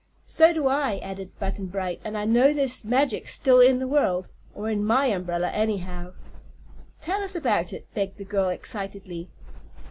"So do I," added Button Bright. "And I know there's magic still in the world or in my umbrella, anyhow." "Tell us about it!" begged the girl, excitedly.